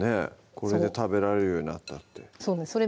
これで食べられるようになったってそうですそれ